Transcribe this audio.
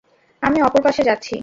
আমি অপর পাশে যাচ্ছি।